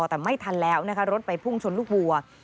แต่ไม่ทันแล้วนะคะรถไปพุ่งชนลูกวัว